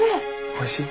おいしい？